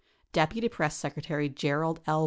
41 Deputy Press Secretary Gerald L.